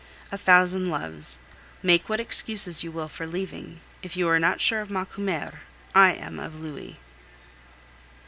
A thousand loves. Make what excuse you will for leaving; if you are not sure of Macumer, I am of Louis.